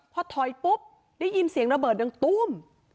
พอถอยปุ๊บได้ยินเสียงระเบิดดังตุ้ม